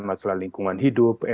masalah lingkungan hidup